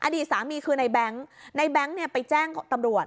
อดีตสามีคือในแบงค์ในแบงค์เนี่ยไปแจ้งตำรวจ